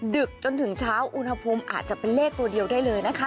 ดึกจนถึงเช้าอุณหภูมิอาจจะเป็นเลขตัวเดียวได้เลยนะคะ